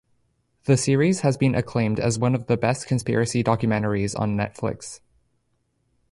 The series has been acclaimed as one of the best conspiracy documentaries on Netflix.